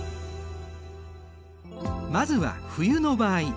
まずは冬の場合。